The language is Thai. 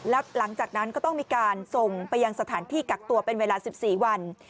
แล้วหลังจากนั้นก็ต้องมีการส่งไปยังสถานที่กักตัวเป็นเวลา๑๔วัน